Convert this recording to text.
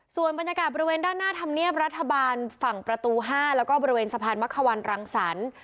ส่วนบรรยากาศบริเวณด้านหน้าธรรมเนียบรัฐบาลฝั่งประตู๕แล้วก็บริเวณสะพานมะควันรังสรรค์